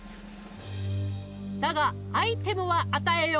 だがアイテムは与えよう。